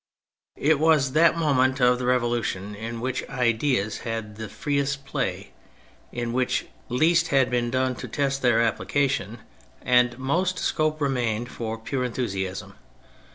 It was that moment of the Revolution in which ideas had the freest play, in which least had been done to test their application, and most scope remained for pm'e enthusiasm.